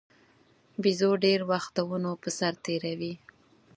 بیزو ډېر وخت د ونو پر سر تېروي.